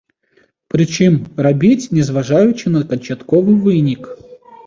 Прычым, рабіць, не зважаючы на канчатковы вынік.